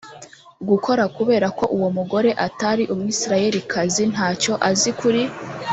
gukora kubera ko uwo mugore atari umwisirayelikazi nta cyo azi kuri